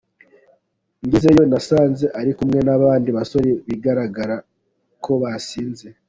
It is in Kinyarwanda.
Ngezeyo nasanze ari kumwe n’abandi basore bigaragara ko basinze.